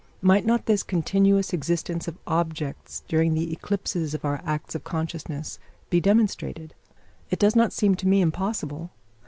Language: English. Might not this continuous existence of objects during the eclipses of our acts of consciousness, be demonstrated? It does not seem to me impossible.